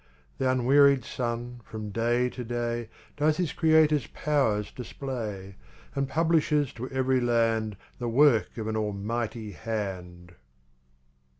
ThŌĆÖunwearied sun, from day to day, Does his CreatorŌĆÖs powers display, And publishes to every land The work of an Almighty Hand.